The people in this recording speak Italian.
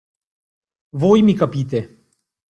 Voi mi capite.